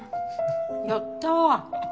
やった。